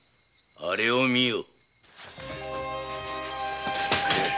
あれを見よ。